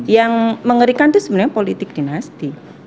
yang mengerikan itu sebenarnya politik dinasti